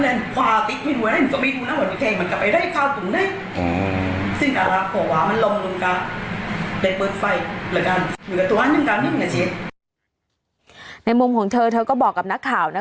หนูกับตัวเนี้ยหนึ่งกับหนึ่งในมุมของเธอเธอก็บอกกับนักข่าวนะ